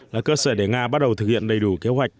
là cơ sở để nga bắt đầu thực hiện đầy đủ kế hoạch